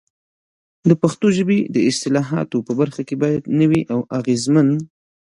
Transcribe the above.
د پښتو ژبې د اصطلاحاتو په برخه کې باید نوي او اغېزمن